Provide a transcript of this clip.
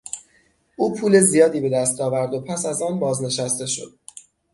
او پول زیادی به دست آورد و پس از آن بازنشسته شد.